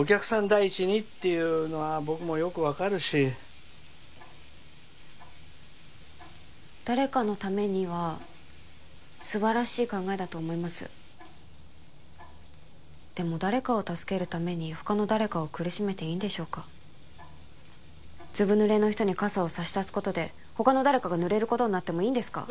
第一にっていうのは僕もよく分かるし誰かのためには素晴らしい考えだと思いますでも誰かを助けるために他の誰かを苦しめていいんでしょうかずぶぬれの人に傘を差しだすことで他の誰かがぬれることになってもいいんですか？